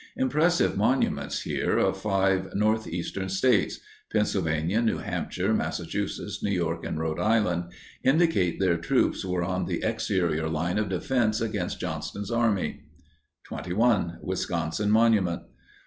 Impressive monuments, here, of five northeastern States—PENNSYLVANIA, NEW HAMPSHIRE, MASSACHUSETTS, NEW YORK, and RHODE ISLAND—indicate their troops were on the exterior line of defense against Johnston's army. 21. WISCONSIN MONUMENT.